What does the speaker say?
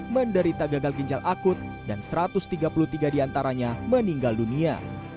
menderita gagal ginjal akut dan satu ratus tiga puluh tiga diantaranya meninggal dunia